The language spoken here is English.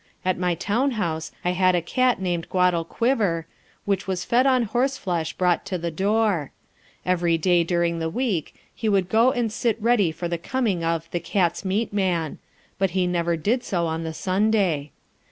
At my town house I had a cat named Guadalquiver, which was fed on horseflesh brought to the door. Every day during the week he would go and sit ready for the coming of "the cat's meat man," but he never did so on the Sunday.